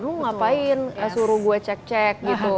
lu ngapain suruh gue cek cek gitu